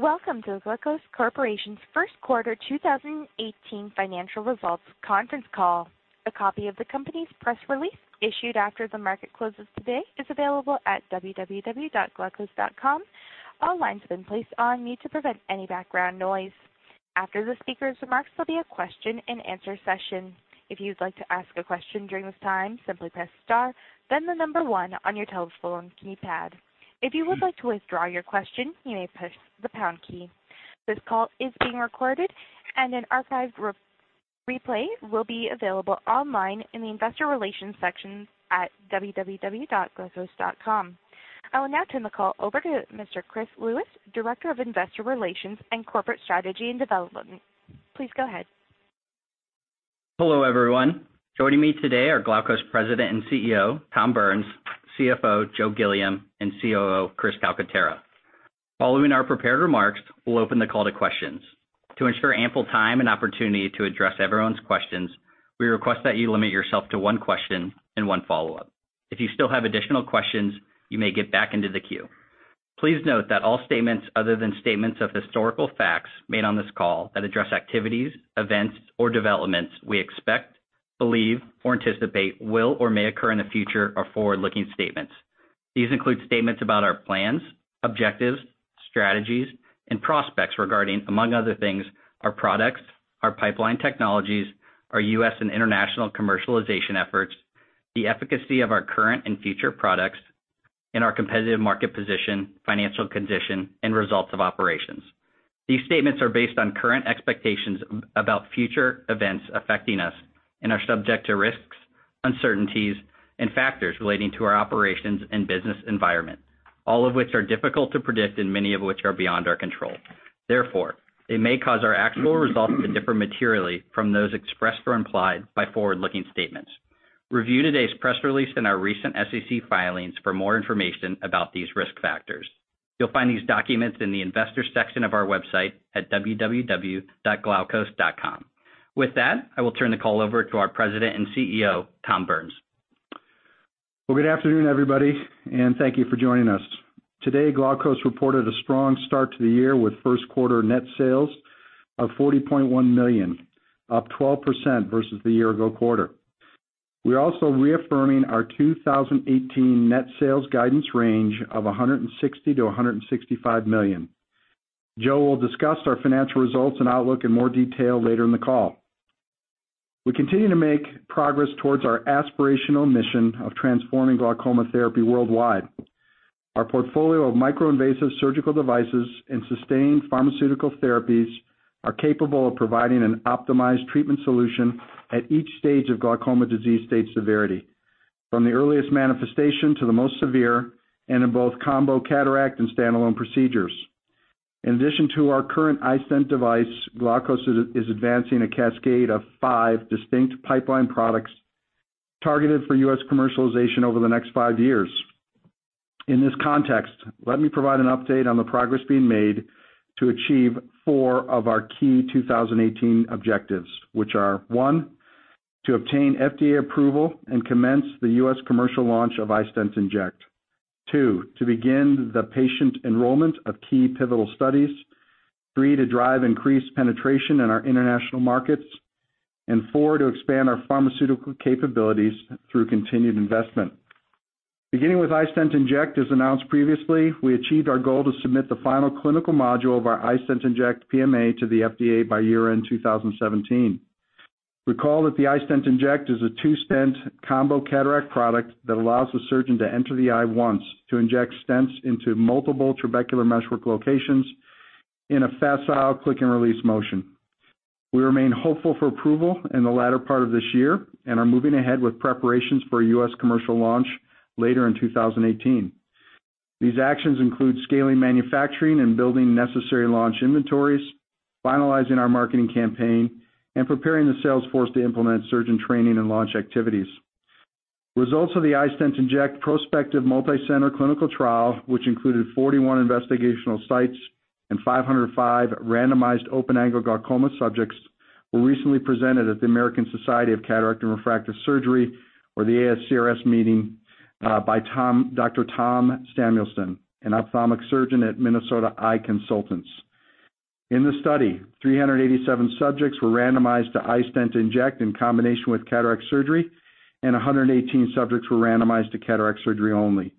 Welcome to Glaukos Corporation's first quarter 2018 financial results conference call. A copy of the company's press release issued after the market closes today is available at www.glaukos.com. All lines have been placed on mute to prevent any background noise. After the speakers' remarks, there'll be a question and answer session. If you'd like to ask a question during this time, simply press star, then the number one on your telephone keypad. If you would like to withdraw your question, you may push the pound key. This call is being recorded, and an archived replay will be available online in the investor relations section at www.glaukos.com. I will now turn the call over to Mr. Chris Lewis, Director of Investor Relations and Corporate Strategy and Development. Please go ahead. Hello, everyone. Joining me today are Glaukos President and CEO, Thomas Burns, CFO, Joseph Gilliam, and COO, Chris Calcaterra. Following our prepared remarks, we'll open the call to questions. To ensure ample time and opportunity to address everyone's questions, we request that you limit yourself to one question and one follow-up. If you still have additional questions, you may get back into the queue. Please note that all statements other than statements of historical facts made on this call that address activities, events, or developments we expect, believe, or anticipate will or may occur in the future are forward-looking statements. These include statements about our plans, objectives, strategies, and prospects regarding, among other things, our products, our pipeline technologies, our U.S. and international commercialization efforts, the efficacy of our current and future products, and our competitive market position, financial condition, and results of operations. These statements are based on current expectations about future events affecting us and are subject to risks, uncertainties, and factors relating to our operations and business environment, all of which are difficult to predict and many of which are beyond our control. Therefore, they may cause our actual results to differ materially from those expressed or implied by forward-looking statements. Review today's press release in our recent SEC filings for more information about these risk factors. You'll find these documents in the investor section of our website at www.glaukos.com. With that, I will turn the call over to our President and CEO, Thomas Burns. Well, good afternoon, everybody, and thank you for joining us. Today, Glaukos reported a strong start to the year with first quarter net sales of $40.1 million, up 12% versus the year-ago quarter. Joe will discuss our financial results and outlook in more detail later in the call. We continue to make progress towards our aspirational mission of transforming glaucoma therapy worldwide. Our portfolio of micro-invasive surgical devices and sustained pharmaceutical therapies are capable of providing an optimized treatment solution at each stage of glaucoma disease stage severity, from the earliest manifestation to the most severe, and in both combo cataract and standalone procedures. In addition to our current iStent device, Glaukos is advancing a cascade of five distinct pipeline products targeted for U.S. commercialization over the next five years. In this context, let me provide an update on the progress being made to achieve 4 of our key 2018 objectives, which are, 1, to obtain FDA approval and commence the U.S. commercial launch of iStent inject. 2, to begin the patient enrollment of key pivotal studies. 3, to drive increased penetration in our international markets. 4, to expand our pharmaceutical capabilities through continued investment. Beginning with iStent inject, as announced previously, we achieved our goal to submit the final clinical module of our iStent inject PMA to the FDA by year-end 2017. Recall that the iStent inject is a two-stent combo cataract product that allows the surgeon to enter the eye once to inject stents into multiple trabecular meshwork locations in a facile click and release motion. We remain hopeful for approval in the latter part of this year and are moving ahead with preparations for a U.S. commercial launch later in 2018. These actions include scaling manufacturing and building necessary launch inventories, finalizing our marketing campaign, and preparing the sales force to implement surgeon training and launch activities. Results of the iStent inject prospective multi-center clinical trial, which included 41 investigational sites and 505 randomized open-angle glaucoma subjects, were recently presented at the American Society of Cataract and Refractive Surgery, or the ASCRS meeting, by Dr. Tom Samuelson, an ophthalmic surgeon at Minnesota Eye Consultants. In the study, 387 subjects were randomized to iStent inject in combination with cataract surgery, and 118 subjects were randomized to cataract surgery only.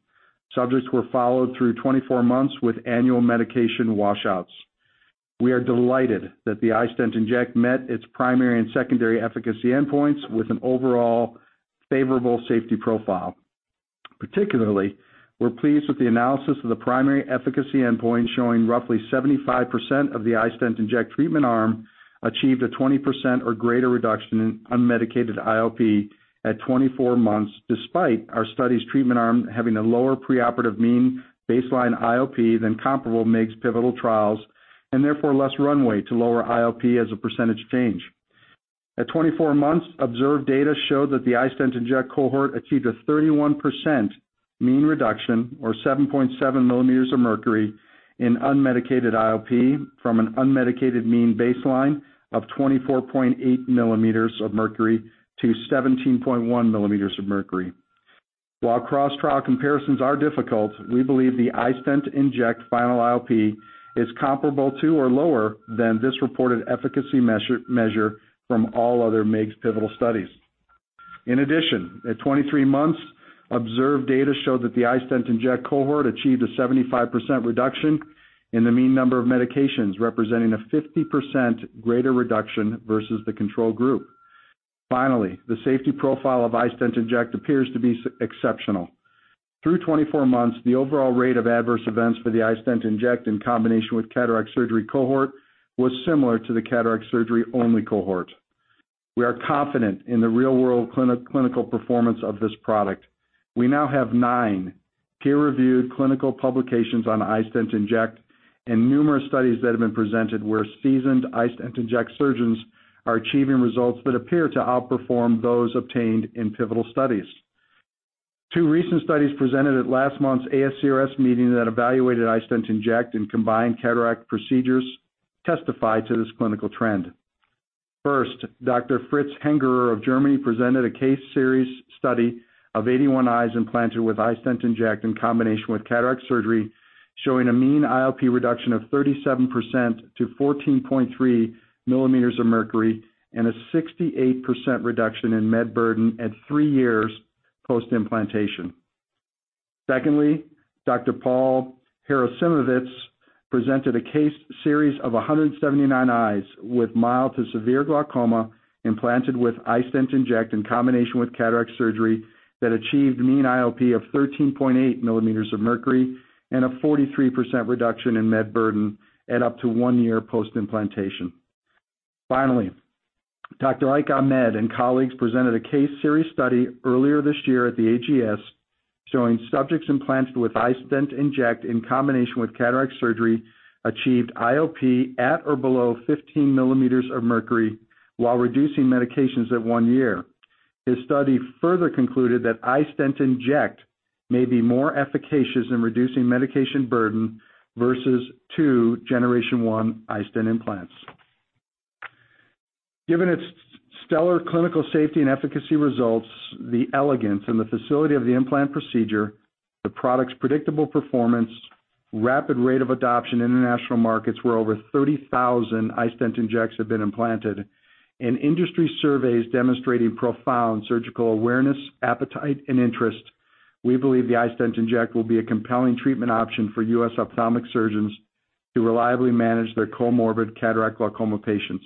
Subjects were followed through 24 months with annual medication washouts. We are delighted that the iStent inject met its primary and secondary efficacy endpoints with an overall favorable safety profile. Particularly, we're pleased with the analysis of the primary efficacy endpoint showing roughly 75% of the iStent inject treatment arm achieved a 20% or greater reduction in unmedicated IOP at 24 months, despite our study's treatment arm having a lower preoperative mean baseline IOP than comparable MIGS pivotal trials, and therefore less runway to lower IOP as a percentage change. At 24 months, observed data showed that the iStent inject cohort achieved a 31% mean reduction or 7.7 millimeters of mercury in unmedicated IOP from an unmedicated mean baseline of 24.8 millimeters of mercury to 17.1 millimeters of mercury. While cross-trial comparisons are difficult, we believe the iStent inject final IOP is comparable to or lower than this reported efficacy measure from all other MIGS pivotal studies. In addition, at 23 months, observed data showed that the iStent inject cohort achieved a 75% reduction in the mean number of medications, representing a 50% greater reduction versus the control group. Finally, the safety profile of iStent inject appears to be exceptional. Through 24 months, the overall rate of adverse events for the iStent inject in combination with cataract surgery cohort was similar to the cataract surgery-only cohort. We are confident in the real-world clinical performance of this product. We now have nine peer-reviewed clinical publications on iStent inject and numerous studies that have been presented where seasoned iStent inject surgeons are achieving results that appear to outperform those obtained in pivotal studies. Two recent studies presented at last month's ASCRS meeting that evaluated iStent inject in combined cataract procedures testify to this clinical trend. First, Dr. Fritz Hengerer of Germany presented a case series study of 81 eyes implanted with iStent inject in combination with cataract surgery, showing a mean IOP reduction of 37% to 14.3 millimeters of mercury and a 68% reduction in med burden at three years post-implantation. Secondly, Dr. Paul Harasymowycz presented a case series of 179 eyes with mild to severe glaucoma implanted with iStent inject in combination with cataract surgery that achieved mean IOP of 13.8 millimeters of mercury and a 43% reduction in med burden at up to one year post-implantation. Finally, Dr. Ike Ahmed and colleagues presented a case series study earlier this year at the AGS showing subjects implanted with iStent inject in combination with cataract surgery achieved IOP at or below 15 millimeters of mercury while reducing medications at one year. His study further concluded that iStent inject may be more efficacious in reducing medication burden versus two generation 1 iStent implants. Given its stellar clinical safety and efficacy results, the elegance and the facility of the implant procedure, the product's predictable performance, rapid rate of adoption in international markets where over 30,000 iStent injects have been implanted, and industry surveys demonstrating profound surgical awareness, appetite, and interest, we believe the iStent inject will be a compelling treatment option for U.S. ophthalmic surgeons to reliably manage their comorbid cataract glaucoma patients.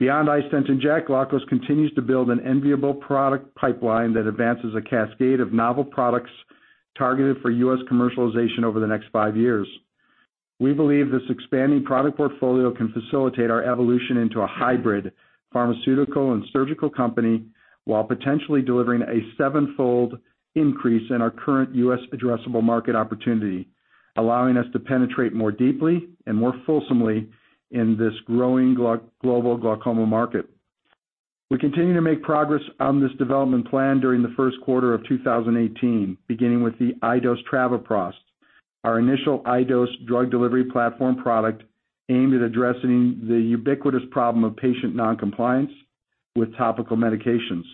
Beyond iStent inject, Glaukos continues to build an enviable product pipeline that advances a cascade of novel products targeted for U.S. commercialization over the next five years. We believe this expanding product portfolio can facilitate our evolution into a hybrid pharmaceutical and surgical company while potentially delivering a sevenfold increase in our current U.S. addressable market opportunity, allowing us to penetrate more deeply and more fulsomely in this growing global glaucoma market. We continue to make progress on this development plan during the first quarter of 2018. Beginning with the iDose travoprost, our initial iDose drug delivery platform product aimed at addressing the ubiquitous problem of patient non-compliance with topical medications.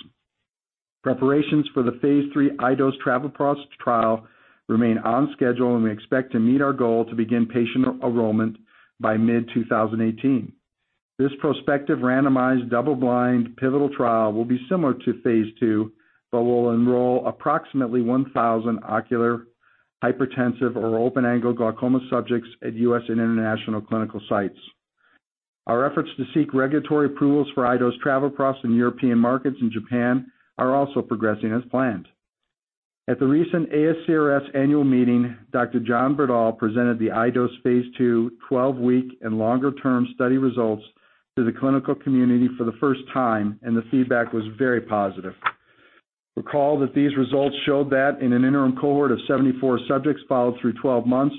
Preparations for the phase III iDose travoprost trial remain on schedule, and we expect to meet our goal to begin patient enrollment by mid-2018. This prospective randomized double-blind pivotal trial will be similar to phase II but will enroll approximately 1,000 ocular hypertensive or open-angle glaucoma subjects at U.S. and international clinical sites. Our efforts to seek regulatory approvals for iDose travoprost in European markets and Japan are also progressing as planned. At the recent ASCRS annual meeting, Dr. John Berdahl presented the iDose phase II 12-week and longer-term study results to the clinical community for the first time, and the feedback was very positive. Recall that these results showed that in an interim cohort of 74 subjects followed through 12 months,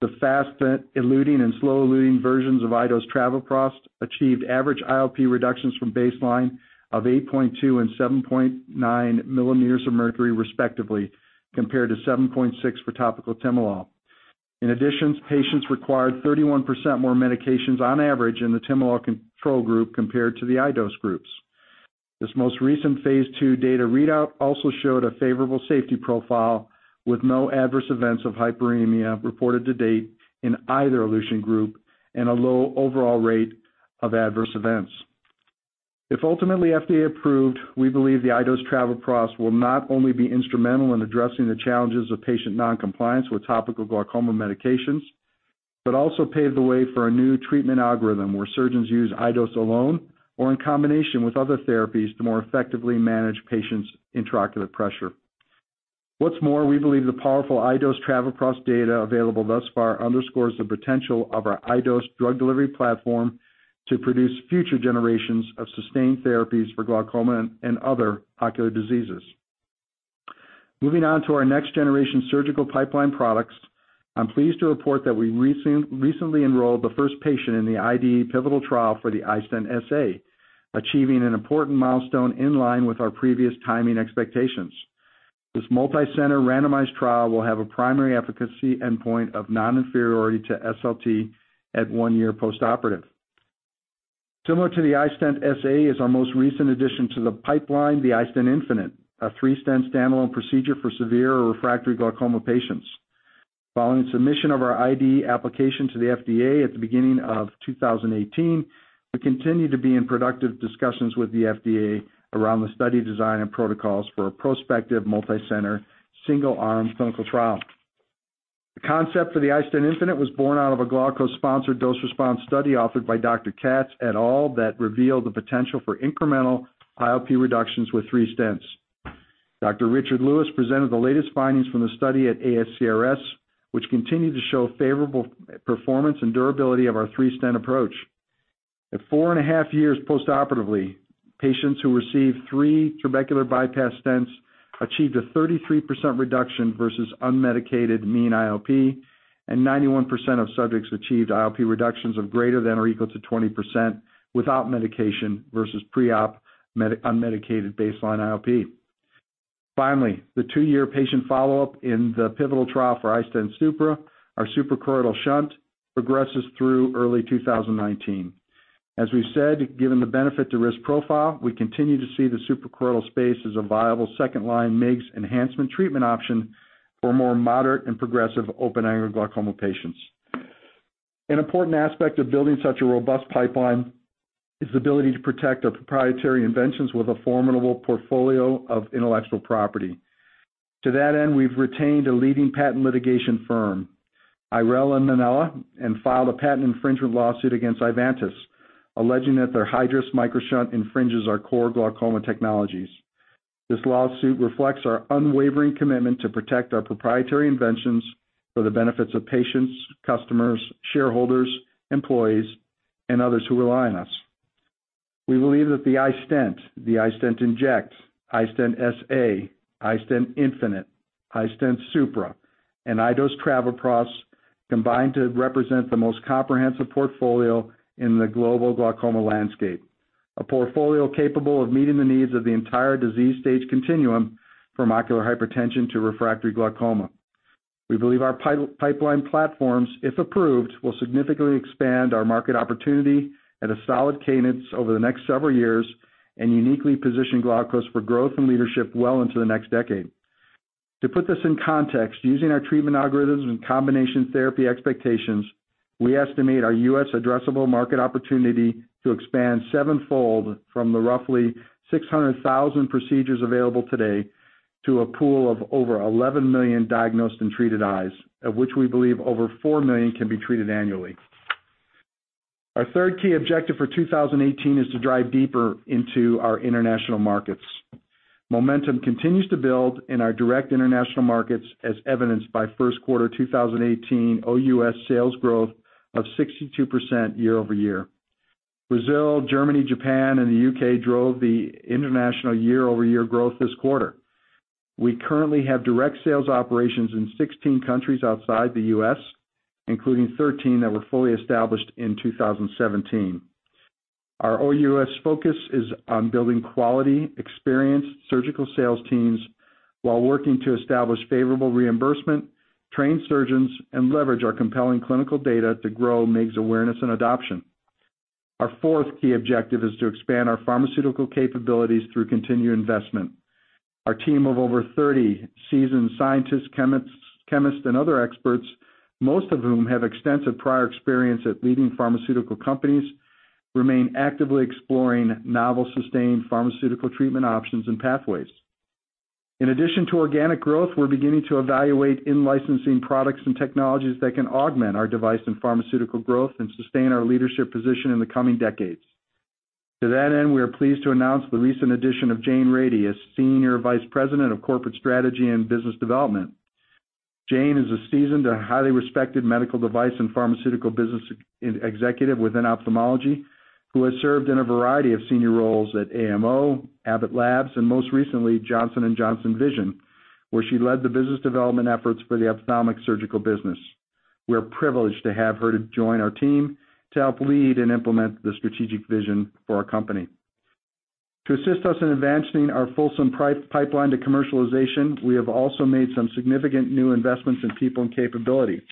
the fast eluting and slow-eluting versions of iDose travoprost achieved average IOP reductions from baseline of 8.2 and 7.9 millimeters of mercury, respectively, compared to 7.6 for topical timolol. In addition, patients required 31% more medications on average in the timolol control group compared to the iDose groups. This most recent phase II data readout also showed a favorable safety profile with no adverse events of hyperemia reported to date in either elution group and a low overall rate of adverse events. If ultimately FDA approved, we believe the iDose travoprost will not only be instrumental in addressing the challenges of patient non-compliance with topical glaucoma medications but also pave the way for a new treatment algorithm where surgeons use iDose alone or in combination with other therapies to more effectively manage patients' intraocular pressure. What's more, we believe the powerful iDose travoprost data available thus far underscores the potential of our iDose drug delivery platform to produce future generations of sustained therapies for glaucoma and other ocular diseases. Moving on to our next-generation surgical pipeline products, I'm pleased to report that we recently enrolled the first patient in the IDE pivotal trial for the iStent XD, achieving an important milestone in line with our previous timing expectations. This multicenter randomized trial will have a primary efficacy endpoint of non-inferiority to SLT at one year postoperative. Similar to the iStent XD is our most recent addition to the pipeline, the iStent infinite, a three-stent standalone procedure for severe or refractory glaucoma patients. Following submission of our IDE application to the FDA at the beginning of 2018, we continue to be in productive discussions with the FDA around the study design and protocols for a prospective multi-center, single-arm clinical trial. The concept for the iStent infinite was born out of a Glaukos-sponsored dose-response study authored by Dr. Katz et al. that revealed the potential for incremental IOP reductions with three stents. Dr. Richard Lewis presented the latest findings from the study at ASCRS, which continue to show favorable performance and durability of our three-stent approach. At four and a half years postoperatively, patients who received three trabecular bypass stents achieved a 33% reduction versus unmedicated mean IOP, and 91% of subjects achieved IOP reductions of greater than or equal to 20% without medication versus pre-op unmedicated baseline IOP. Finally, the two-year patient follow-up in the pivotal trial for iStent supra, our suprachoroidal shunt progresses through early 2019. As we've said, given the benefit to risk profile, we continue to see the suprachoroidal space as a viable second-line MIGS enhancement treatment option for more moderate and progressive open-angle glaucoma patients. An important aspect of building such a robust pipeline is the ability to protect our proprietary inventions with a formidable portfolio of intellectual property. To that end, we've retained a leading patent litigation firm, Irell & Manella, and filed a patent infringement lawsuit against Ivantis, alleging that their Hydrus Microstent infringes our core glaucoma technologies. This lawsuit reflects our unwavering commitment to protect our proprietary inventions for the benefits of patients, customers, shareholders, employees, and others who rely on us. We believe that the iStent, the iStent inject, iStent XD, iStent infinite, iStent supra, and iDose travoprost combine to represent the most comprehensive portfolio in the global glaucoma landscape, a portfolio capable of meeting the needs of the entire disease stage continuum from ocular hypertension to refractory glaucoma. We believe our pipeline platforms, if approved, will significantly expand our market opportunity at a solid cadence over the next several years and uniquely position Glaukos for growth and leadership well into the next decade. To put this in context, using our treatment algorithms and combination therapy expectations, we estimate our U.S. addressable market opportunity to expand sevenfold from the roughly 600,000 procedures available today to a pool of over 11 million diagnosed and treated eyes, of which we believe over 4 million can be treated annually. Our third key objective for 2018 is to drive deeper into our international markets. Momentum continues to build in our direct international markets as evidenced by first quarter 2018 OUS sales growth of 62% year-over-year. Brazil, Germany, Japan, and the U.K. drove the international year-over-year growth this quarter. We currently have direct sales operations in 16 countries outside the U.S., including 13 that were fully established in 2017. Our OUS focus is on building quality, experienced surgical sales teams while working to establish favorable reimbursement, train surgeons, and leverage our compelling clinical data to grow MIGS awareness and adoption. Our fourth key objective is to expand our pharmaceutical capabilities through continued investment. Our team of over 30 seasoned scientists, chemists, and other experts, most of whom have extensive prior experience at leading pharmaceutical companies, remain actively exploring novel sustained pharmaceutical treatment options and pathways. In addition to organic growth, we are beginning to evaluate in-licensing products and technologies that can augment our device and pharmaceutical growth and sustain our leadership position in the coming decades. To that end, we are pleased to announce the recent addition of Jane Rady as Senior Vice President of Corporate Strategy and Business Development. Jane is a seasoned and highly respected medical device and pharmaceutical business executive within ophthalmology who has served in a variety of senior roles at AMO, Abbott Labs, and most recently, Johnson & Johnson Vision, where she led the business development efforts for the ophthalmic surgical business. We are privileged to have her to join our team to help lead and implement the strategic vision for our company. To assist us in advancing our fulsome pipeline to commercialization, we have also made some significant new investments in people and capability.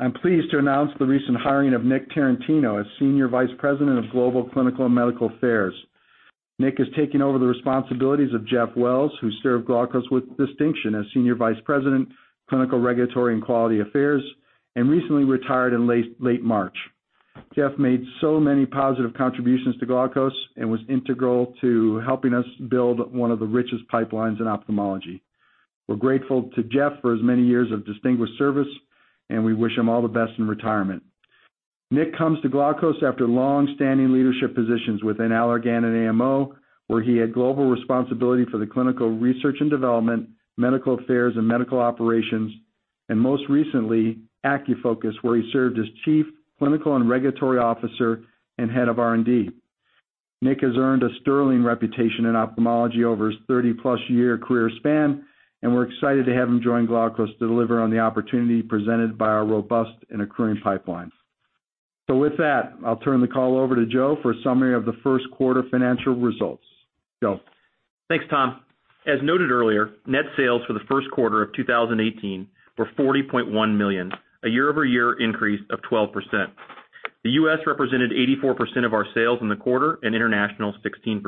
I'm pleased to announce the recent hiring of Nick Tarantino as Senior Vice President of Global Clinical and Medical Affairs. Nick has taken over the responsibilities of Jeff Wells, who served Glaukos with distinction as Senior Vice President, Clinical, Regulatory, and Quality Affairs, and recently retired in late March. Jeff made so many positive contributions to Glaukos and was integral to helping us build one of the richest pipelines in ophthalmology. We're grateful to Jeff for his many years of distinguished service, and we wish him all the best in retirement. Nick comes to Glaukos after long-standing leadership positions within Allergan and AMO, where he had global responsibility for the clinical research and development, medical affairs, and medical operations, and most recently, AcuFocus, where he served as Chief Clinical and Regulatory Officer and Head of R&D. Nick has earned a sterling reputation in ophthalmology over his 30-plus-year career span, and we're excited to have him join Glaukos to deliver on the opportunity presented by our robust and accruing pipeline. With that, I'll turn the call over to Joe for a summary of the first quarter financial results. Joe? Thanks, Tom. As noted earlier, net sales for the first quarter of 2018 were $40.1 million, a year-over-year increase of 12%. The U.S. represented 84% of our sales in the quarter, and international 16%.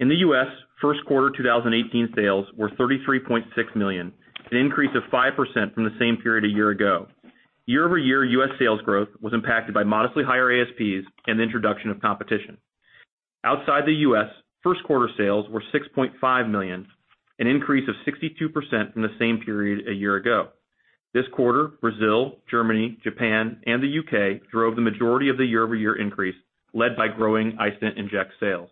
In the U.S., first quarter 2018 sales were $33.6 million, an increase of 5% from the same period a year ago. Year-over-year U.S. sales growth was impacted by modestly higher ASPs and the introduction of competition. Outside the U.S., first quarter sales were $6.5 million, an increase of 62% from the same period a year ago. This quarter, Brazil, Germany, Japan, and the U.K. drove the majority of the year-over-year increase, led by growing iStent inject sales.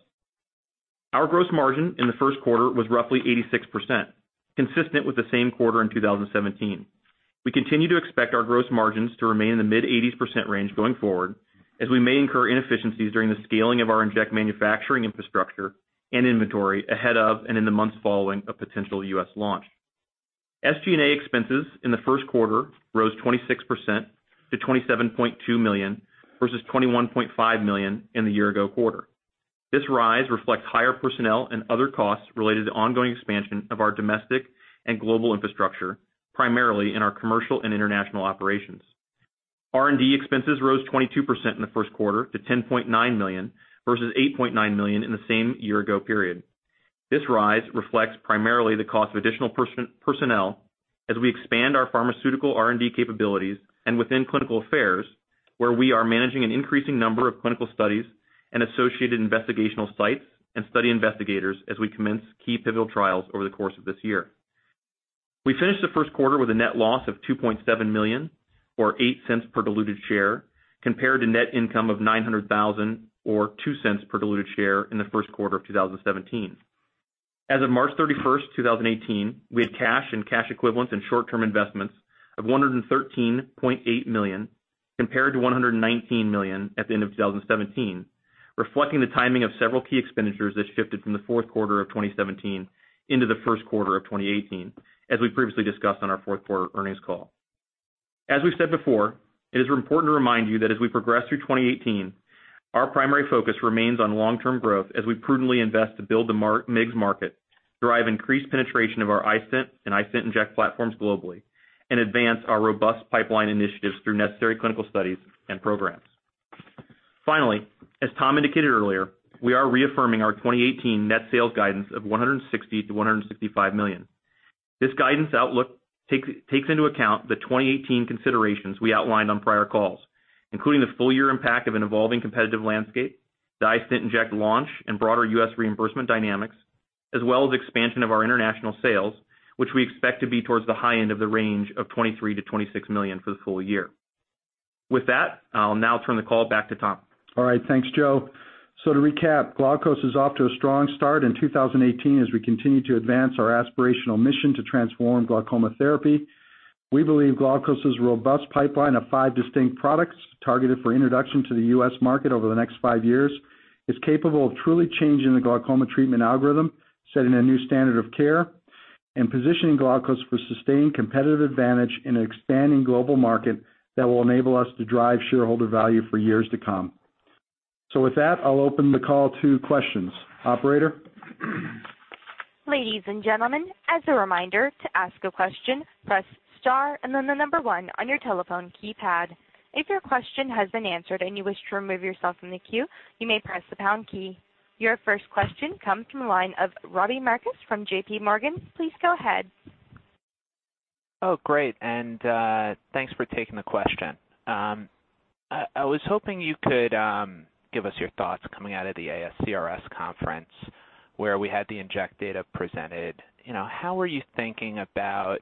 Our gross margin in the first quarter was roughly 86%, consistent with the same quarter in 2017. We continue to expect our gross margins to remain in the mid-80s percent range going forward, as we may incur inefficiencies during the scaling of our inject manufacturing infrastructure and inventory ahead of and in the months following a potential U.S. launch. SG&A expenses in the first quarter rose 26% to $27.2 million versus $21.5 million in the year-ago quarter. This rise reflects higher personnel and other costs related to ongoing expansion of our domestic and global infrastructure, primarily in our commercial and international operations. R&D expenses rose 22% in the first quarter to $10.9 million versus $8.9 million in the same year-ago period. This rise reflects primarily the cost of additional personnel as we expand our pharmaceutical R&D capabilities and within clinical affairs, where we are managing an increasing number of clinical studies and associated investigational sites and study investigators as we commence key pivotal trials over the course of this year. We finished the first quarter with a net loss of $2.7 million, or $0.08 per diluted share, compared to net income of $900,000, or $0.02 per diluted share in the first quarter of 2017. As of March 31st, 2018, we had cash and cash equivalents and short-term investments of $113.8 million, compared to $119 million at the end of 2017, reflecting the timing of several key expenditures that shifted from the fourth quarter of 2017 into the first quarter of 2018, as we previously discussed on our fourth quarter earnings call. As we've said before, it is important to remind you that as we progress through 2018, our primary focus remains on long-term growth as we prudently invest to build the MIGS market, drive increased penetration of our iStent and iStent inject platforms globally, and advance our robust pipeline initiatives through necessary clinical studies and programs. Finally, as Tom indicated earlier, we are reaffirming our 2018 net sales guidance of $160 million-$165 million. This guidance outlook takes into account the 2018 considerations we outlined on prior calls, including the full year impact of an evolving competitive landscape, the iStent inject launch and broader U.S. reimbursement dynamics, as well as expansion of our international sales, which we expect to be towards the high end of the range of $23 million-$26 million for the full year. With that, I'll now turn the call back to Tom. All right. Thanks, Joe. To recap, Glaukos is off to a strong start in 2018 as we continue to advance our aspirational mission to transform glaucoma therapy. We believe Glaukos' robust pipeline of five distinct products targeted for introduction to the U.S. market over the next five years is capable of truly changing the glaucoma treatment algorithm, setting a new standard of care, and positioning Glaukos for sustained competitive advantage in an expanding global market that will enable us to drive shareholder value for years to come. With that, I'll open the call to questions. Operator? Ladies and gentlemen, as a reminder, to ask a question, press star and then the number one on your telephone keypad. If your question has been answered and you wish to remove yourself from the queue, you may press the pound key. Your first question comes from the line of Robbie Marcus from JPMorgan. Please go ahead. Great, thanks for taking the question. I was hoping you could give us your thoughts coming out of the ASCRS conference where we had the iStent inject data presented. How are you thinking about iStent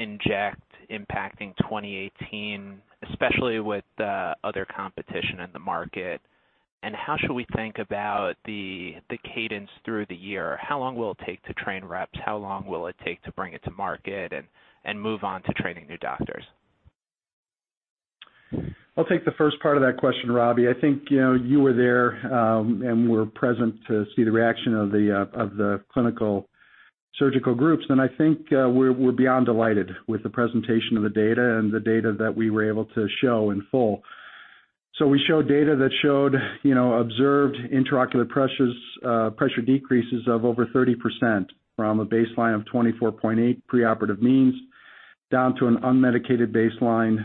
inject impacting 2018, especially with the other competition in the market, how should we think about the cadence through the year? How long will it take to train reps? How long will it take to bring it to market and move on to training new doctors? I'll take the first part of that question, Robbie. I think you were there and were present to see the reaction of the clinical surgical groups, I think we're beyond delighted with the presentation of the data and the data that we were able to show in full. We showed data that showed observed intraocular pressure decreases of over 30% from a baseline of 24.8 preoperative means, down to an unmedicated baseline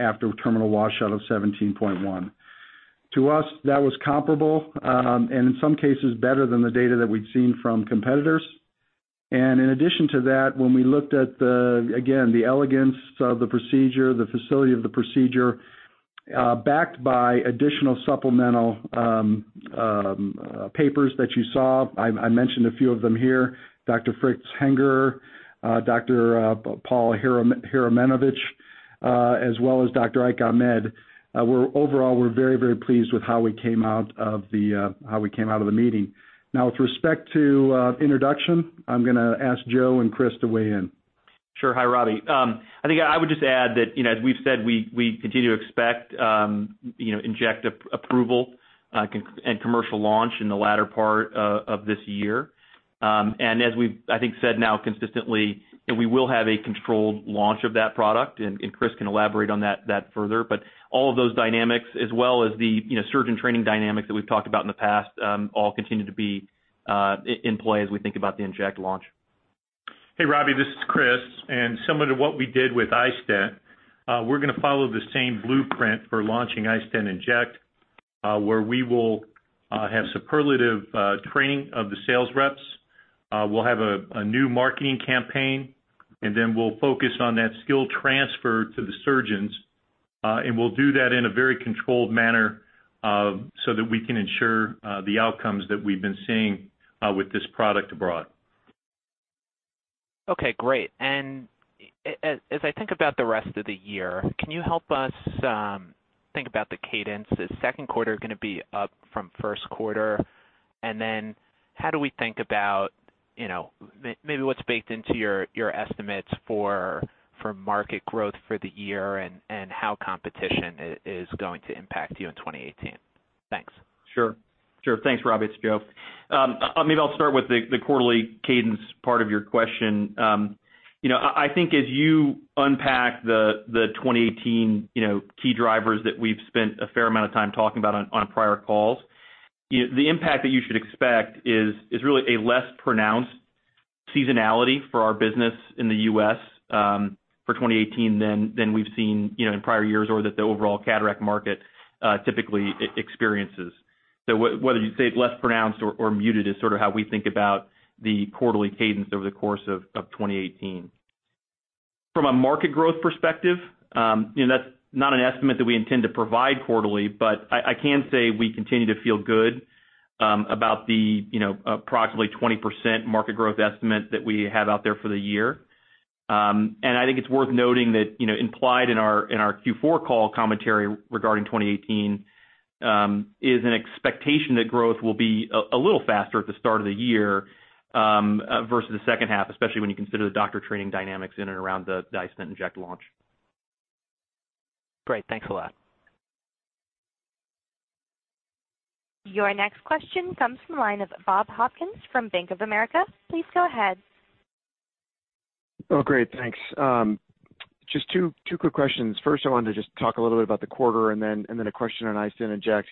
after a terminal washout of 17.1. To us, that was comparable, and in some cases, better than the data that we'd seen from competitors. In addition to that, when we looked at, again, the elegance of the procedure, the facility of the procedure, backed by additional supplemental papers that you saw, I mentioned a few of them here, Dr. Fritz Hengerer, Dr. Paul Harasymowycz, as well as Dr. Ike Ahmed. Overall, we're very pleased with how we came out of the meeting. With respect to introduction, I'm going to ask Joe and Chris to weigh in. Sure. Hi, Robbie. I think I would just add that, as we've said, we continue to expect iStent inject approval and commercial launch in the latter part of this year. As we've, I think said now consistently, we will have a controlled launch of that product, and Chris can elaborate on that further. All of those dynamics, as well as the surgeon training dynamics that we've talked about in the past, all continue to be in play as we think about the iStent inject launch. Hey, Robbie, this is Chris. Similar to what we did with iStent, we're going to follow the same blueprint for launching iStent inject, where we will have superlative training of the sales reps. We'll have a new marketing campaign, then we'll focus on that skill transfer to the surgeons. We'll do that in a very controlled manner so that we can ensure the outcomes that we've been seeing with this product abroad. Okay, great. As I think about the rest of the year, can you help us think about the cadence? Is second quarter going to be up from first quarter? How do we think about maybe what's baked into your estimates for market growth for the year and how competition is going to impact you in 2018? Thanks. Sure. Thanks, Robbie. It's Joe. Maybe I'll start with the quarterly cadence part of your question. I think as you unpack the 2018 key drivers that we've spent a fair amount of time talking about on prior calls, the impact that you should expect is really a less pronounced seasonality for our business in the U.S. for 2018 than we've seen in prior years, or that the overall cataract market typically experiences. Whether you say it's less pronounced or muted is sort of how we think about the quarterly cadence over the course of 2018. From a market growth perspective, that's not an estimate that we intend to provide quarterly, but I can say we continue to feel good about the approximately 20% market growth estimate that we have out there for the year. I think it's worth noting that implied in our Q4 call commentary regarding 2018, is an expectation that growth will be a little faster at the start of the year versus the second half, especially when you consider the doctor training dynamics in and around the iStent inject launch. Great. Thanks a lot. Your next question comes from the line of Bob Hopkins from Bank of America. Please go ahead. Oh, great, thanks. Just two quick questions. I wanted to just talk a little bit about the quarter and then a question on iStent inject.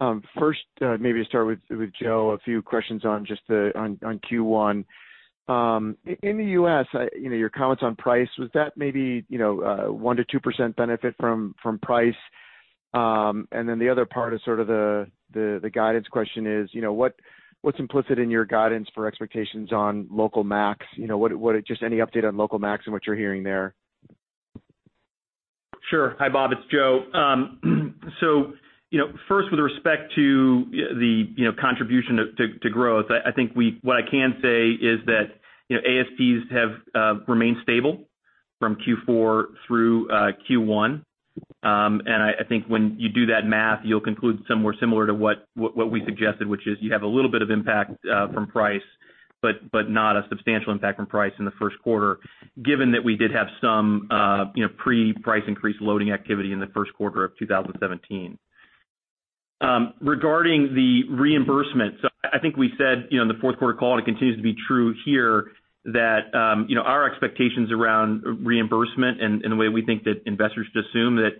Maybe start with Joe, a few questions on Q1. In the U.S., your comments on price, was that maybe a 1% to 2% benefit from price? The other part is sort of the guidance question is, what's implicit in your guidance for expectations on local MACs? Just any update on local MACs and what you're hearing there. Sure. Hi, Bob, it's Joe. With respect to the contribution to growth, I think what I can say is that ASPs have remained stable from Q4 through Q1. I think when you do that math, you'll conclude somewhere similar to what we suggested, which is you have a little bit of impact from price, but not a substantial impact from price in the first quarter, given that we did have some pre-price increase loading activity in the first quarter of 2017. Regarding the reimbursement, I think we said in the fourth quarter call, and it continues to be true here, that our expectations around reimbursement and the way we think that investors should assume that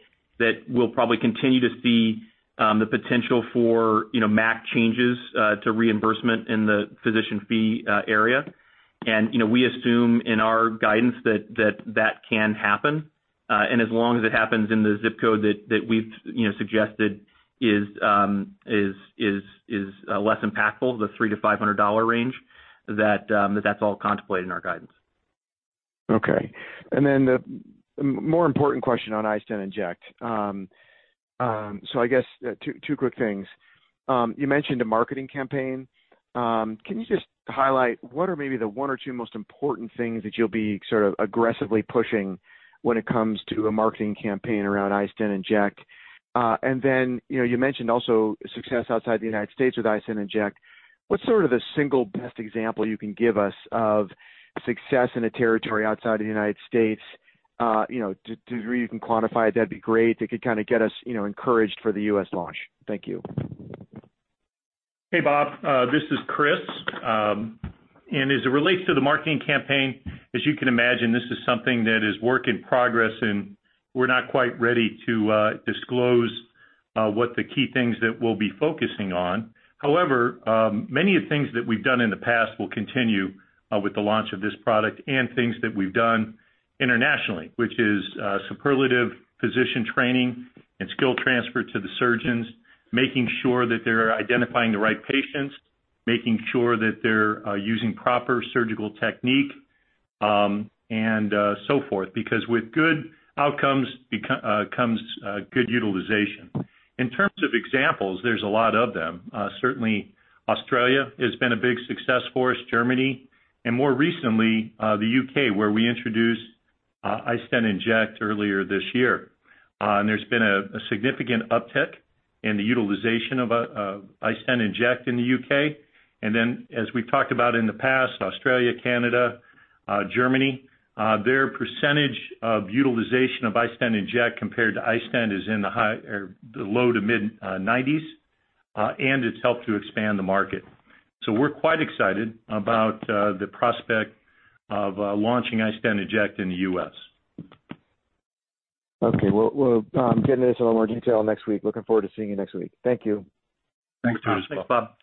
we'll probably continue to see the potential for MACs changes to reimbursement in the physician fee area. We assume in our guidance that can happen. As long as it happens in the ZIP code that we've suggested is less impactful, the $300 to $500 range, that that's all contemplated in our guidance. Okay. The more important question on iStent inject. I guess two quick things. You mentioned a marketing campaign. Can you just highlight what are maybe the one or two most important things that you'll be sort of aggressively pushing when it comes to a marketing campaign around iStent inject? You mentioned also success outside the U.S. with iStent inject. What's sort of the single best example you can give us of success in a territory outside of the U.S.? To the degree you can quantify it, that'd be great. That could kind of get us encouraged for the U.S. launch. Thank you. Hey, Bob. This is Chris. As it relates to the marketing campaign, as you can imagine, this is something that is work in progress, and we're not quite ready to disclose what the key things that we'll be focusing on. However, many of the things that we've done in the past will continue with the launch of this product and things that we've done internationally, which is superlative physician training and skill transfer to the surgeons, making sure that they're identifying the right patients, making sure that they're using proper surgical technique, and so forth. Because with good outcomes comes good utilization. In terms of examples, there's a lot of them. Certainly Australia has been a big success for us, Germany, and more recently, the U.K., where we introduced iStent inject earlier this year. There's been a significant uptick in the utilization of iStent inject in the U.K. As we've talked about in the past, Australia, Canada, Germany, their percentage of utilization of iStent inject compared to iStent is in the low to mid-90s, and it's helped to expand the market. We're quite excited about the prospect of launching iStent inject in the U.S. Okay. We'll get into this in a little more detail next week. Looking forward to seeing you next week. Thank you. Thanks, Tom. Thanks, Bob.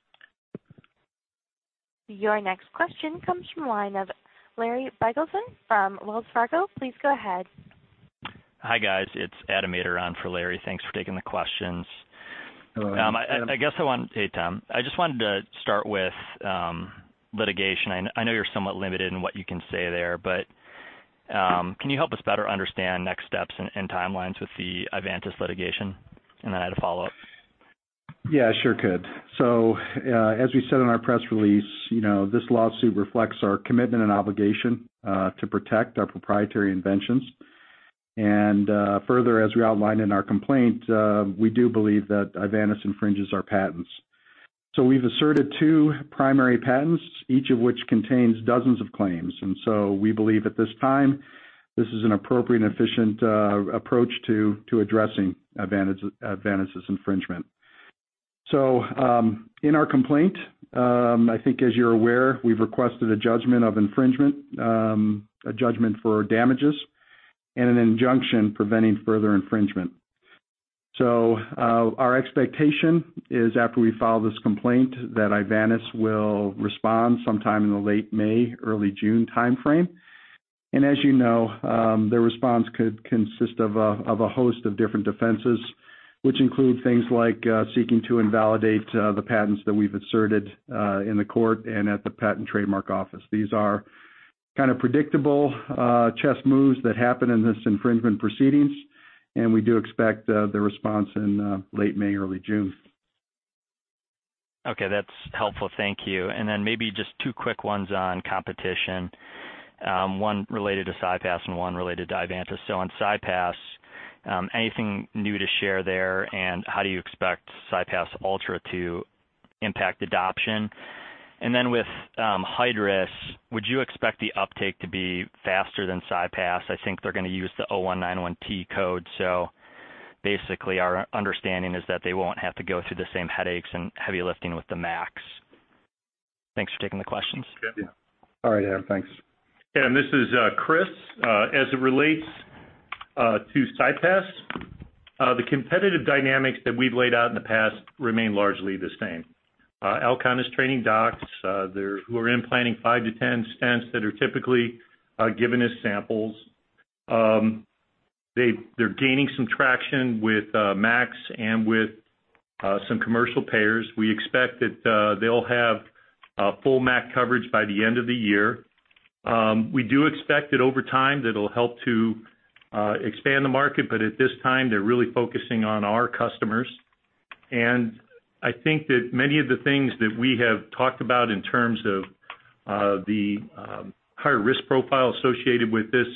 Your next question comes from the line of Larry Biegelsen from Wells Fargo. Please go ahead. Hi, guys. It's Adam Maeder for Larry. Thanks for taking the questions. Hello, Adam. Hey, Tom. I just wanted to start with litigation. I know you're somewhat limited in what you can say there, but can you help us better understand next steps and timelines with the Ivantis litigation? I had a follow-up. Yeah, sure could. As we said in our press release, this lawsuit reflects our commitment and obligation to protect our proprietary inventions. Further, as we outlined in our complaint, we do believe that Ivantis infringes our patents. We've asserted two primary patents, each of which contains dozens of claims. We believe at this time, this is an appropriate and efficient approach to addressing Ivantis' infringement. In our complaint, I think as you're aware, we've requested a judgment of infringement, a judgment for damages, and an injunction preventing further infringement. Our expectation is after we file this complaint, that Ivantis will respond sometime in the late May, early June timeframe. As you know, their response could consist of a host of different defenses, which include things like seeking to invalidate the patents that we've asserted in the court and at the Patent and Trademark Office. These are kind of predictable chess moves that happen in this infringement proceedings. We do expect the response in late May, early June. Okay. That's helpful. Thank you. Maybe just two quick ones on competition. One related to CyPass and one related to Ivantis. On CyPass, anything new to share there? How do you expect CyPass Ultra to impact adoption? With Hydrus, would you expect the uptake to be faster than CyPass? I think they're going to use the 0191T code. Our understanding is that they won't have to go through the same headaches and heavy lifting with the MACs. Thanks for taking the questions. Yeah. All right, Adam. Thanks. Adam, this is Chris. As it relates to CyPass, the competitive dynamics that we've laid out in the past remain largely the same. Alcon is training docs who are implanting five to 10 stents that are typically given as samples. They're gaining some traction with MACs and with some commercial payers. We expect that they'll have full MACs coverage by the end of the year. We do expect that over time, that it'll help to expand the market, but at this time, they're really focusing on our customers. I think that many of the things that we have talked about in terms of the higher risk profile associated with this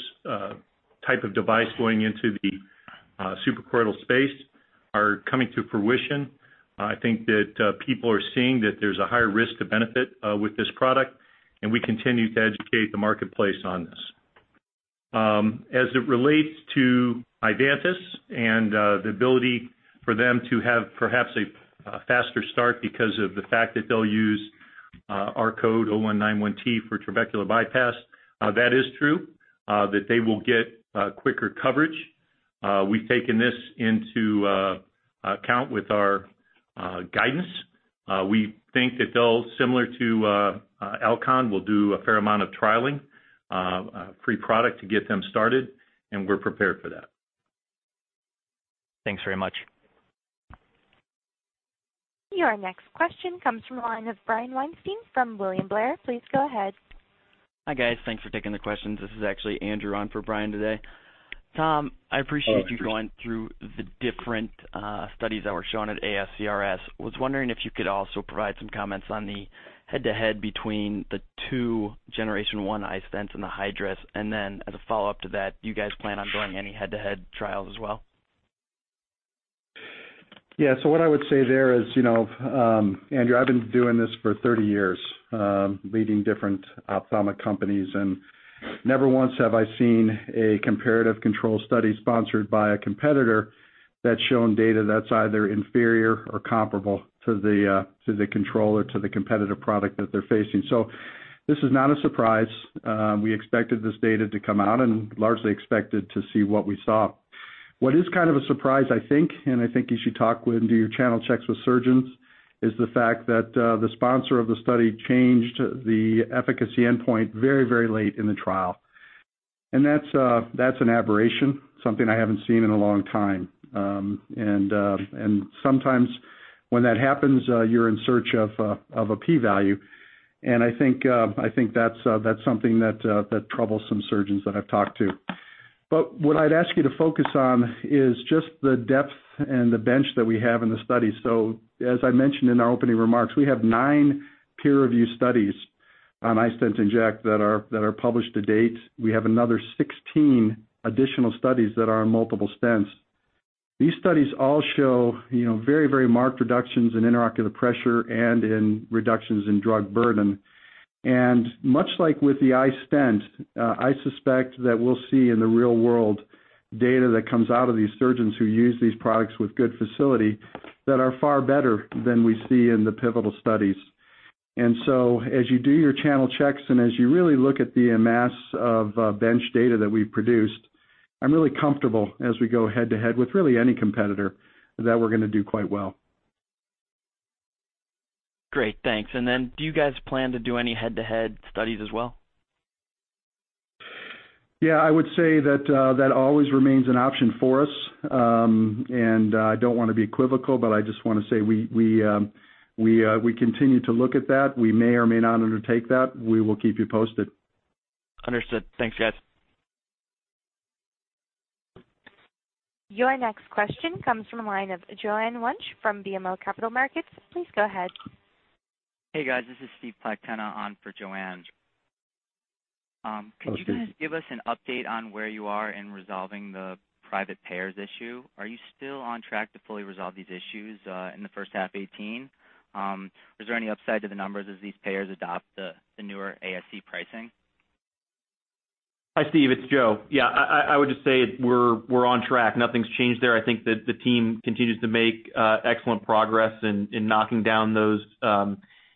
type of device going into the suprachoroidal space are coming to fruition. I think that people are seeing that there's a higher risk to benefit with this product, and we continue to educate the marketplace on this. As it relates to Ivantis and the ability for them to have perhaps a faster start because of the fact that they'll use our code, 0191T, for trabecular bypass. That is true, that they will get quicker coverage. We've taken this into account with our guidance. We think that they'll, similar to Alcon, will do a fair amount of trialing free product to get them started, and we're prepared for that. Thanks very much. Your next question comes from the line of Brian Weinstein from William Blair. Please go ahead. Hi, guys. Thanks for taking the questions. This is actually Andrew on for Brian today. Tom, I appreciate you going through the different studies that were shown at ASCRS. Was wondering if you could also provide some comments on the head-to-head between the two Generation 1 iStents and the Hydrus. Then as a follow-up to that, do you guys plan on doing any head-to-head trials as well? Yeah. What I would say there is, Andrew, I've been doing this for 30 years, leading different ophthalmic companies, never once have I seen a comparative control study sponsored by a competitor that's shown data that's either inferior or comparable to the control or to the competitive product that they're facing. This is not a surprise. We expected this data to come out largely expected to see what we saw. What is kind of a surprise, I think, I think as you talk with and do your channel checks with surgeons, is the fact that the sponsor of the study changed the efficacy endpoint very late in the trial. That's an aberration, something I haven't seen in a long time. Sometimes when that happens, you're in search of a P value, I think that's something that troubles some surgeons that I've talked to. What I'd ask you to focus on is just the depth and the bench that we have in the study. As I mentioned in our opening remarks, we have nine peer-reviewed studies on iStent inject that are published to date. We have another 16 additional studies that are on multiple stents. These studies all show very marked reductions in intraocular pressure in reductions in drug burden. Much like with the iStent, I suspect that we'll see in the real world data that comes out of these surgeons who use these products with good facility that are far better than we see in the pivotal studies. As you do your channel checks and as you really look at the mass of bench data that we've produced, I'm really comfortable as we go head-to-head with really any competitor, that we're going to do quite well. Great, thanks. Do you guys plan to do any head-to-head studies as well? Yeah, I would say that always remains an option for us. I don't want to be equivocal, but I just want to say we continue to look at that. We may or may not undertake that. We will keep you posted. Understood. Thanks, guys. Your next question comes from the line of Joanne Wuensch from BMO Capital Markets. Please go ahead. Hey, guys. This is Steve Plechtona on for Joanne. Hi, Steve. Could you guys give us an update on where you are in resolving the private payers issue? Are you still on track to fully resolve these issues in the first half 2018? Is there any upside to the numbers as these payers adopt the newer ASC pricing? Hi, Steve. It's Joe. I would just say we're on track. Nothing's changed there. I think that the team continues to make excellent progress in knocking down those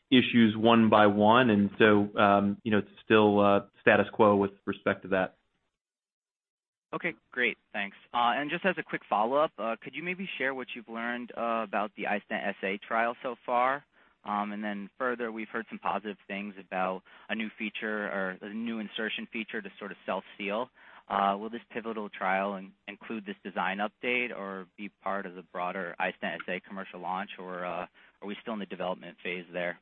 issues one by one. It's still status quo with respect to that. Okay, great. Thanks. Just as a quick follow-up, could you maybe share what you've learned about the iStent SA trial so far? Further, we've heard some positive things about a new feature or a new insertion feature to sort of self-seal. Will this pivotal trial include this design update or be part of the broader iStent SA commercial launch, or are we still in the development phase there?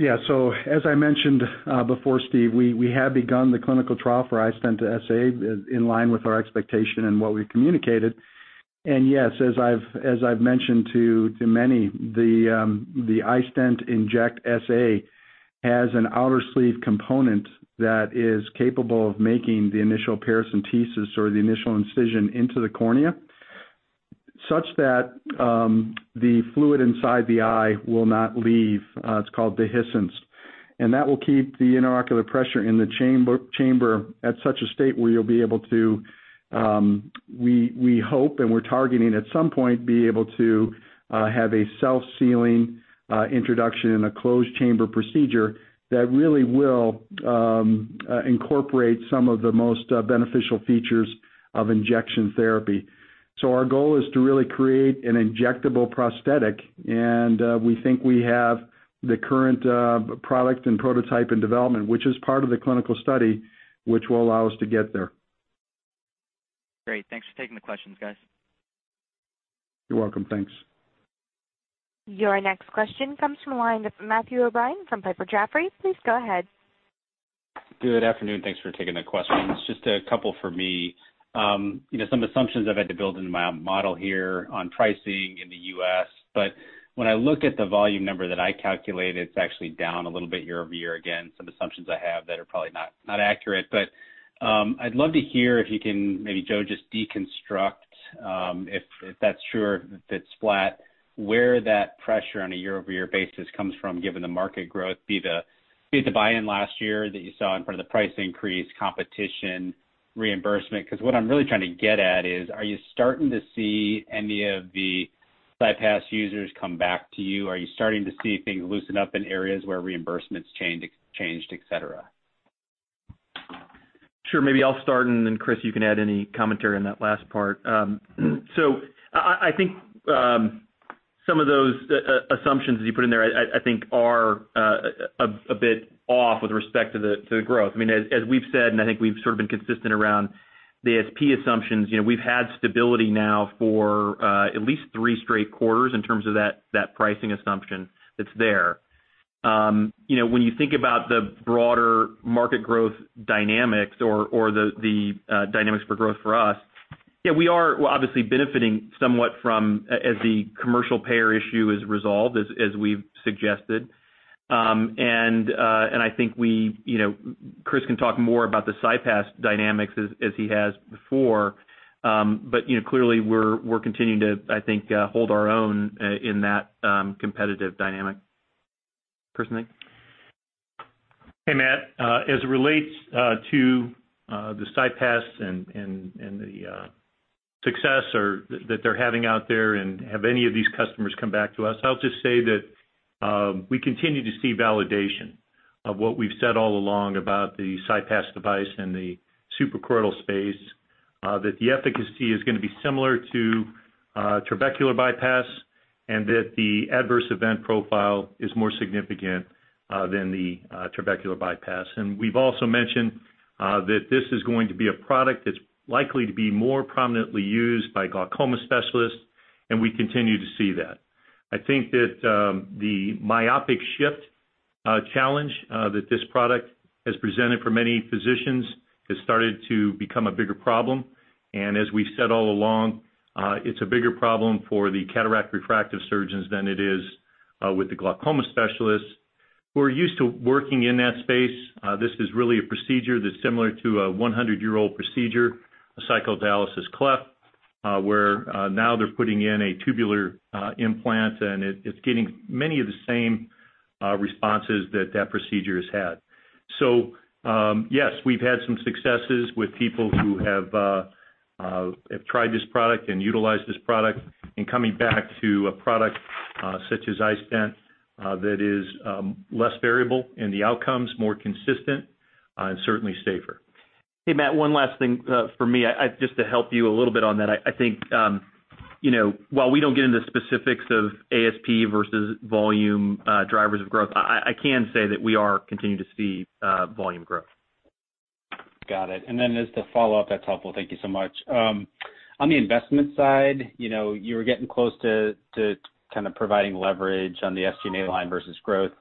As I mentioned before, Steve, we have begun the clinical trial for iStent SA in line with our expectation and what we communicated. Yes, as I've mentioned to many, the iStent inject SA has an outer sleeve component that is capable of making the initial paracentesis or the initial incision into the cornea, such that the fluid inside the eye will not leave. It's called dehiscence. That will keep the intraocular pressure in the chamber at such a state where you'll be able to, we hope and we're targeting at some point, be able to have a self-sealing introduction in a closed chamber procedure that really will incorporate some of the most beneficial features of injection therapy. Our goal is to really create an injectable prosthetic, and we think we have the current product in prototype and development, which is part of the clinical study, which will allow us to get there. Great. Thanks for taking the questions, guys. You're welcome. Thanks. Your next question comes from the line of Matthew O'Brien from Piper Jaffray. Please go ahead. Good afternoon. Thanks for taking the questions. Just a couple for me. Some assumptions I've had to build into my model here on pricing in the U.S. When I look at the volume number that I calculated, it's actually down a little bit year-over-year. Again, some assumptions I have that are probably not accurate. I'd love to hear if you can, maybe Joe, just deconstruct if that's true or if it's flat, where that pressure on a year-over-year basis comes from, given the market growth, be it the buy-in last year that you saw in front of the price increase, competition, reimbursement. What I'm really trying to get at is, are you starting to see any of the CyPass users come back to you? Are you starting to see things loosen up in areas where reimbursements changed, et cetera? Sure. Maybe I'll start, Chris, you can add any commentary on that last part. I think some of those assumptions that you put in there are a bit off with respect to the growth. As we've said, I think we've sort of been consistent around the ASP assumptions, we've had stability now for at least three straight quarters in terms of that pricing assumption that's there. When you think about the broader market growth dynamics or the dynamics for growth for us, yeah, we are obviously benefiting somewhat as the commercial payer issue is resolved, as we've suggested. I think Chris can talk more about the CyPass dynamics as he has before. Clearly we're continuing to hold our own in that competitive dynamic. Chris, anything? Hey, Matt. As it relates to the CyPass and the success that they're having out there and have any of these customers come back to us, I'll just say that we continue to see validation of what we've said all along about the CyPass device and the suprachoroidal space, that the efficacy is going to be similar to trabecular bypass, and that the adverse event profile is more significant than the trabecular bypass. We've also mentioned that this is going to be a product that's likely to be more prominently used by glaucoma specialists, and we continue to see that. I think that the myopic shift challenge that this product has presented for many physicians has started to become a bigger problem. As we've said all along, it's a bigger problem for the cataract refractive surgeons than it is with the glaucoma specialists who are used to working in that space. This is really a procedure that's similar to a 100-year-old procedure, a cyclodialysis cleft, where now they're putting in a tubular implant, and it's getting many of the same responses that that procedure has had. Yes, we've had some successes with people who have tried this product and utilized this product, and coming back to a product such as iStent that is less variable in the outcomes, more consistent, and certainly safer. Hey, Matt, one last thing from me. Just to help you a little bit on that. I think while we don't get into specifics of ASP versus volume drivers of growth, I can say that we are continuing to see volume growth. Got it. As the follow-up, that's helpful, thank you so much. On the investment side, you were getting close to kind of providing leverage on the SG&A line versus growth.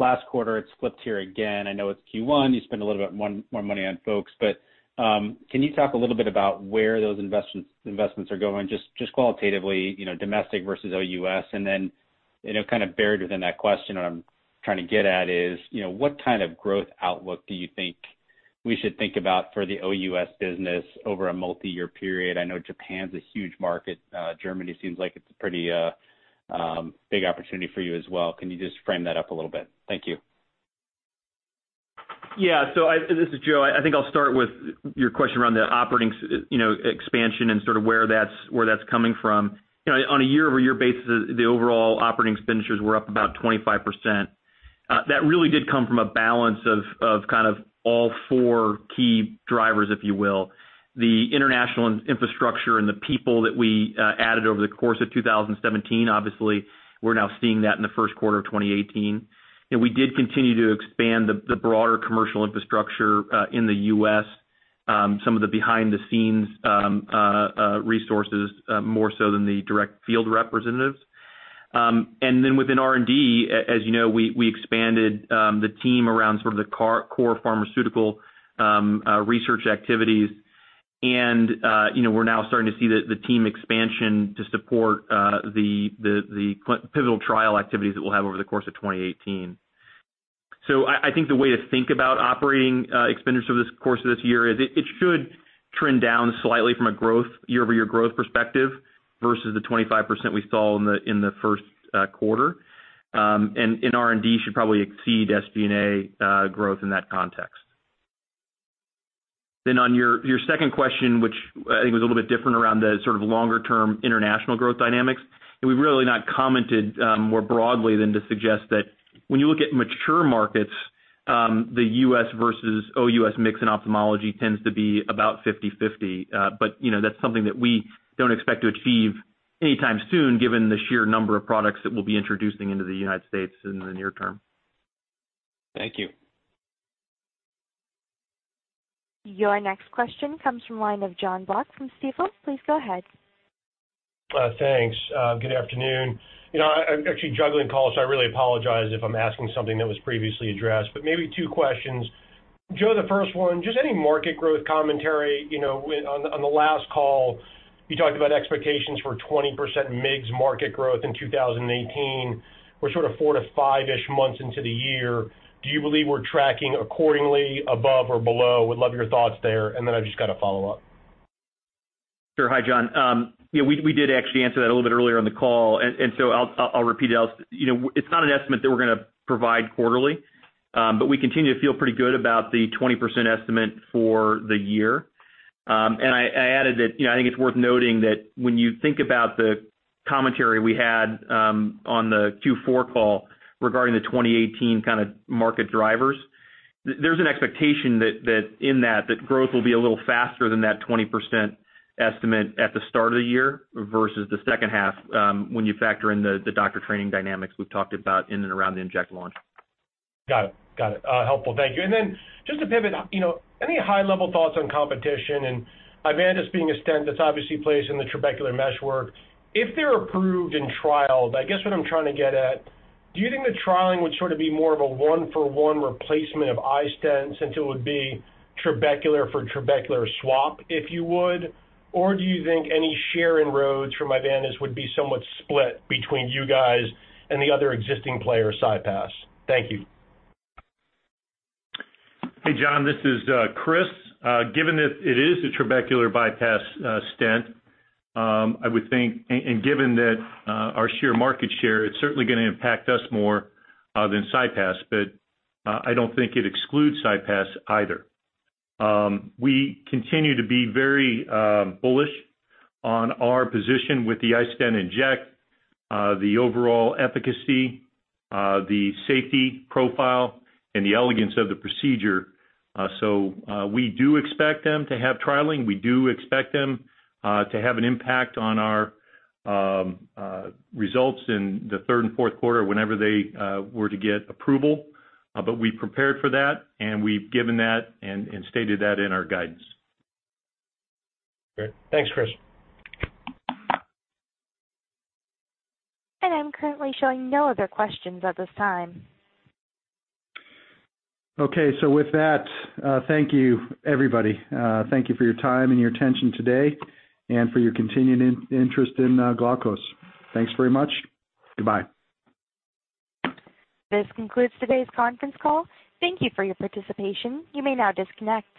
Last quarter, it's flipped here again. I know it's Q1, you spend a little bit more money on folks, but can you talk a little bit about where those investments are going, just qualitatively, domestic versus OUS? Buried within that question, what I'm trying to get at is what kind of growth outlook do you think we should think about for the OUS business over a multi-year period? I know Japan's a huge market. Germany seems like it's a pretty big opportunity for you as well. Can you just frame that up a little bit? Thank you. This is Joe. I think I'll start with your question around the operating expansion and sort of where that's coming from. On a year-over-year basis, the overall operating expenditures were up about 25%. That really did come from a balance of kind of all four key drivers, if you will. The international infrastructure and the people that we added over the course of 2017, obviously, we're now seeing that in the first quarter of 2018. We did continue to expand the broader commercial infrastructure in the U.S. Some of the behind-the-scenes resources, more so than the direct field representatives. Within R&D, as you know, we expanded the team around sort of the core pharmaceutical research activities. We're now starting to see the team expansion to support the pivotal trial activities that we'll have over the course of 2018. I think the way to think about operating expenditures over the course of this year is it should trend down slightly from a year-over-year growth perspective versus the 25% we saw in the first quarter. In R&D should probably exceed SG&A growth in that context. On your second question, which I think was a little bit different around the sort of longer-term international growth dynamics, we've really not commented more broadly than to suggest that when you look at mature markets, the U.S. versus OUS mix in ophthalmology tends to be about 50/50. That's something that we don't expect to achieve anytime soon given the sheer number of products that we'll be introducing into the United States in the near term. Thank you. Your next question comes from the line of Jonathan Block from Stifel. Please go ahead. Thanks. Good afternoon. I'm actually juggling calls, so I really apologize if I'm asking something that was previously addressed, but maybe two questions. Joe, the first one, just any market growth commentary. On the last call, you talked about expectations for 20% MIGS market growth in 2018. We're sort of four to five-ish months into the year. Do you believe we're tracking accordingly above or below? Would love your thoughts there. I've just got a follow-up. Sure. Hi, John. We did actually answer that a little bit earlier in the call, so I'll repeat it. It's not an estimate that we're going to provide quarterly. We continue to feel pretty good about the 20% estimate for the year. I added that I think it's worth noting that when you think about the commentary we had on the Q4 call regarding the 2018 kind of market drivers, there's an expectation that in that growth will be a little faster than that 20% estimate at the start of the year versus the second half when you factor in the doctor training dynamics we've talked about in and around the iStent inject launch. Got it. Helpful. Thank you. Just to pivot, any high-level thoughts on competition and Ivantis being a stent that's obviously placed in the trabecular meshwork. If they're approved in trial, I guess what I'm trying to get at, do you think the trialing would sort of be more of a one for one replacement of iStent since it would be trabecular for trabecular swap, if you would? Or do you think any share inroads from Ivantis would be somewhat split between you guys and the other existing player, CyPass? Thank you. Hey, John, this is Chris. Given that it is a trabecular bypass stent, given that our sheer market share, it's certainly going to impact us more than CyPass. I don't think it excludes CyPass either. We continue to be very bullish on our position with the iStent inject, the overall efficacy, the safety profile, and the elegance of the procedure. We do expect them to have trialing. We do expect them to have an impact on our results in the third and fourth quarter whenever they were to get approval. We've prepared for that, and we've given that and stated that in our guidance. Great. Thanks, Chris. I'm currently showing no other questions at this time. Okay, with that, thank you, everybody. Thank you for your time and your attention today and for your continuing interest in Glaukos. Thanks very much. Goodbye. This concludes today's conference call. Thank you for your participation. You may now disconnect.